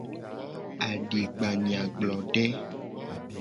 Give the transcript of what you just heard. Adigbanyagblode.